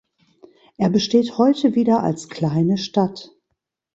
Er besteht heute wieder als kleine Stadt.